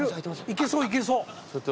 いけそういけそう。